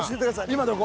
今どこ？